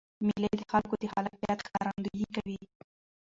مېلې د خلکو د خلاقیت ښکارندویي کوي.